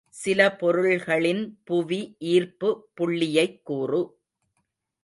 சில பொருள்களின் புவி ஈர்ப்பு புள்ளியைக் கூறு.